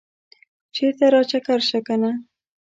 چرته راچکر شه کنه